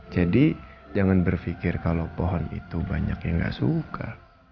jadi jangan berpikir kalau pohon itu banyak yang gak suka